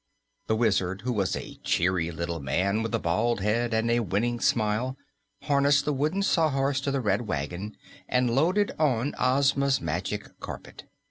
The Wizard, who was a cheery little man with a bald head and a winning smile, harnessed the Wooden Sawhorse to the Red Wagon and loaded on Ozma's Magic Carpet.